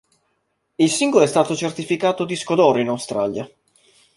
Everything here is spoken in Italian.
Il singolo è stato certificato disco d'oro in Australia.